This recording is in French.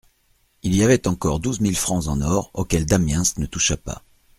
Il y avait encore douze mille francs en or auxquels Damiens ne toucha pas.